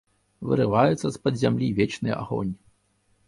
Вырываецца з-пад зямлі вечны агонь.